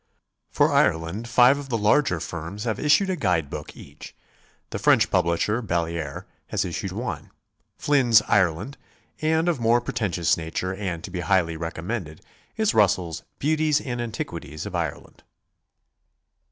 For Ireland five of the larger firms have issued a guide book each; the French publisher, Balliere, has issued one, Flinn's "Ireland," and of more pretentious nature and to be highly recommended is Russell's "Beauties and Antiquities of Ire land."